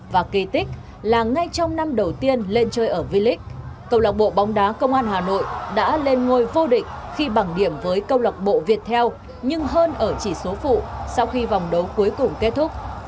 và kỳ tích là ngay trong năm đầu tiên lên chơi ở v league công lạc bộ bóng đá công an hà nội đã lên ngôi vô địch khi bằng điểm với câu lạc bộ việt theo nhưng hơn ở chỉ số phụ sau khi vòng đấu cuối cùng kết thúc